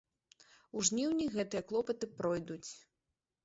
У жніўні гэтыя клопаты пройдуць.